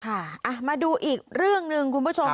ค่ะมาดูอีกเรื่องหนึ่งคุณผู้ชม